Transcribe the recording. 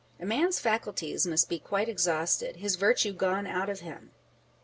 A man's faculties must be quite exhausted, his virtue gone out of him.